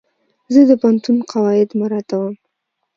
زه د پوهنتون قواعد مراعتوم.